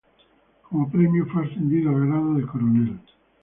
Como premio fue ascendido al grado de coronel.